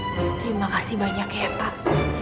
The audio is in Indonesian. terima kasih banyak ya pak